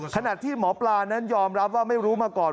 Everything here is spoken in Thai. ขณะที่หมอปลานั้นยอมรับว่าไม่รู้มาก่อน